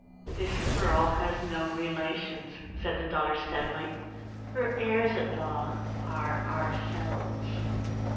"This girl has no relations," said the daughter steadily. "Her heirs at law are ourselves."